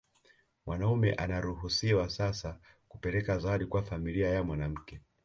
Mwanaume anaruhusiwa sasa kupeleka zawadi kwa familia ya mwanamke